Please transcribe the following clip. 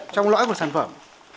trong lõi của sản phẩm